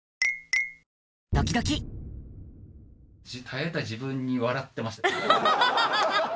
耐えた自分に笑ってましたよ。